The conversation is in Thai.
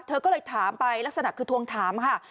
เธอก็เลยถามไปลักษณะคือทวงถามค่ะ